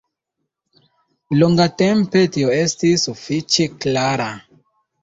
Longatempe tio estis sufiĉe klara.